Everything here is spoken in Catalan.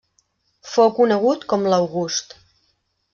Fou conegut com l'August.